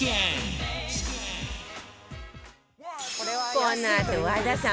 このあと和田さん